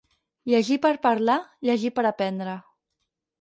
Llegir per parlar, llegir per aprendre.